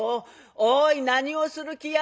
おい何をする気や？